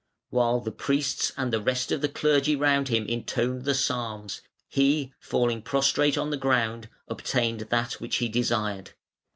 While the priests and the rest of the clergy round him intoned the psalms, he, falling prostrate on the ground, obtained that which he desired.